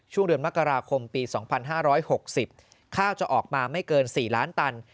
ช่วงเดือนมกราคมปี๒๕๖๐ข้าวจะออกมาไม่เกิน๔ล้านตัน